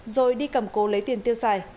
rồi đi cầm cố lấy tiền tiêu xài